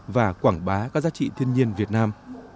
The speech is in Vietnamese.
và quảng bá các giá trị thiên nhiên việt nam